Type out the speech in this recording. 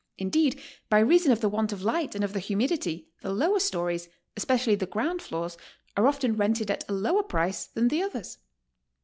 In deed, by reason of the want of light and of the humidity, the lower stories, especially the ground floors, are often rented at a lower price than the others.